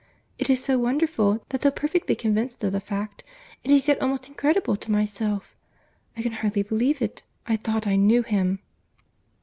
—It is so wonderful, that though perfectly convinced of the fact, it is yet almost incredible to myself. I can hardly believe it.—I thought I knew him."